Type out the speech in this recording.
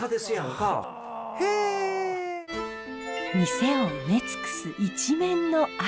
店を埋め尽くす一面の赤。